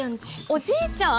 おじいちゃん？